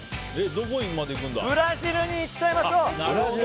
ブラジルに行っちゃいましょう。